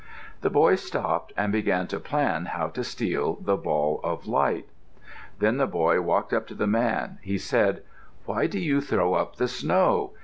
The boy stopped and began to plan how to steal the ball of light. Then the boy walked up to the man. He said, "Why do you throw up the snow?